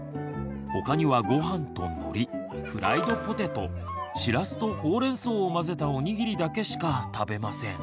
他にはごはんとのりフライドポテトしらすとほうれんそうを混ぜたおにぎりだけしか食べません。